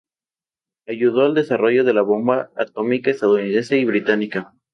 Ayudó al desarrollo de la bomba atómica estadounidense y británica.